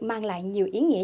mang lại nhiều ý nghĩa